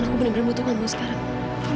aku bener bener butuh kamu sekarang